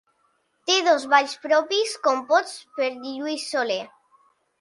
Té dos balls propis composts per Lluís Soler.